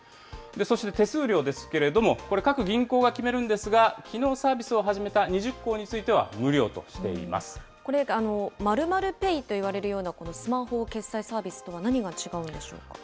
そして手数料ですけれども、これ各銀行が決めるんですが、きのうサービスを始めた２０行についてこれ、○○ペイといわれるような、スマホ決済サービスとは何が違うんでしょうか？